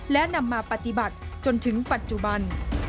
และนำมาปฏิบัติจนถึงปัจจุบัน